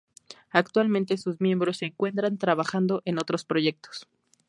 Actualmente sus miembros se encuentran trabajando en otros proyectos.